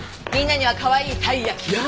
みんなにはかわいいたい焼き。